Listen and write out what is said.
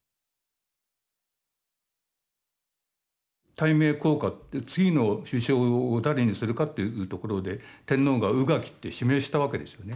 大命降下って次の首相を誰にするかというところで天皇が宇垣って指名したわけですよね。